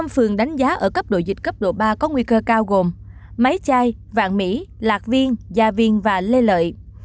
năm phường đánh giá ở cấp độ dịch cấp độ ba có nguy cơ cao gồm máy chai vạn mỹ lạc viên gia viên và lê lợi